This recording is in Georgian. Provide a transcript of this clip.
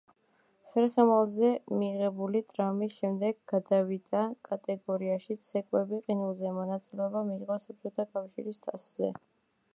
ხერხემალზე მიღებული ტრამვის შემდეგ გადავიდა კატეგორიაში „ცეკვები ყინულზე“, მონაწილეობა მიიღო საბჭოთა კავშირის თასზე.